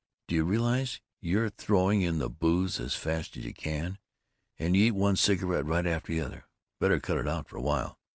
D'you realize you're throwing in the booze as fast as you can, and you eat one cigarette right after another? Better cut it out for a while."